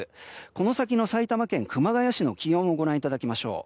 この先の埼玉県熊谷市の気温をご覧いただきましょう。